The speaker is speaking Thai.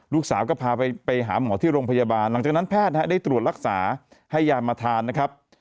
ลูกสาวก็พาไปหาหมอที่โรงพยาบาลหลังจากนั้นแพทย์ได้ตรวจรักษาให้ยามาทานนะครับ